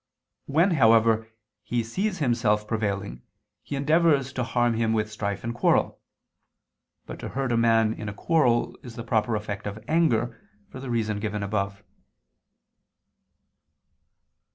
When, however, he sees himself prevailing, he endeavors to harm him with strife and quarrel. But to hurt a man in a quarrel is the proper effect of anger, for the reason given above.